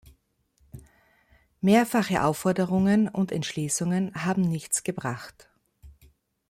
Mehrfache Aufforderungen und Entschließungen haben nichts gebracht.